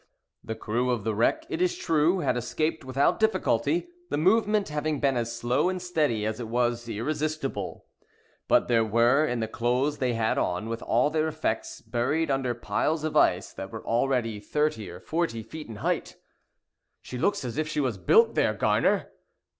The crew of the wreck, it is true, had escaped without difficulty; the movement having been as slow and steady as it was irresistible. But there they were, in the clothes they had on, with all their effects buried under piles of ice that were already thirty or forty feet in height. "She looks as if she was built there, Gar'ner!"